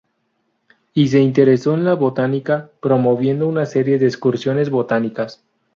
Y se interesó en la botánica, promoviendo una serie de excursiones botánicas.